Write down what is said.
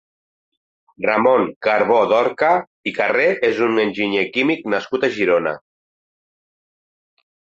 Ramon Carbó-Dorca i Carré és un enginyer químic nascut a Girona.